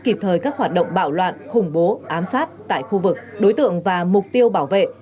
kịp thời các hoạt động bạo loạn khủng bố ám sát tại khu vực đối tượng và mục tiêu bảo vệ